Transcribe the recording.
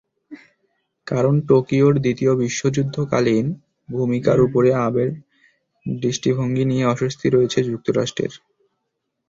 কারণ, টোকিওর দ্বিতীয় বিশ্বযুদ্ধকালীন ভূমিকার ওপরে আবের দৃষ্টিভঙ্গি নিয়ে অস্বস্তি রয়েছে যুক্তরাষ্ট্রে।